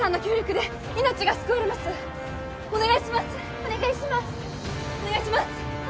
お願いします